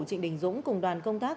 trịnh đình dũng cùng đoàn công tác